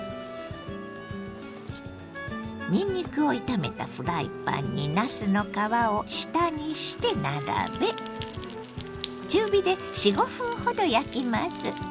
にんにくを炒めたフライパンになすの皮を下にして並べ中火で４５分ほど焼きます。